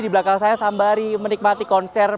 di belakang saya sambari menikmati konser